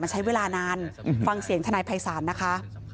ใช้เวลานานฟังเสียงทนายภัยศาลนะคะ